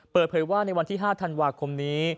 เปิดเผยว่าในวันที่๕ธันวาคมนี้